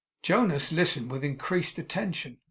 Jonas listened with increased attention.